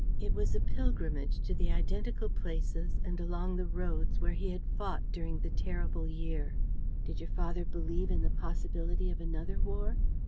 It was a pilgrimage to the identical places and along the roads where he had fought during the terrible year." "Did your father believe in the possibility of another war?"